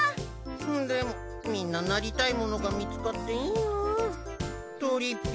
でもみんななりたいものが見つかっていいなぁ。